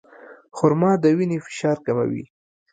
خرما د وینې فشار کموي.